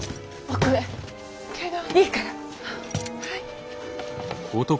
はい。